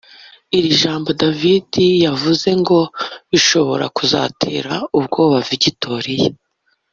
Iri jambo David yavuze ngo bishobora kuzatera ubwoba Victoria